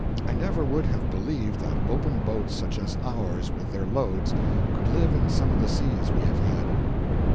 I never would have believed that open boats such as ours, with their loads, could live in some of the seas we have had.